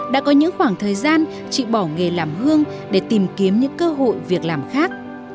đã có những khoảng thời gian chị bỏ nghề làm hương để tìm kiếm những cơ hội việc làm khác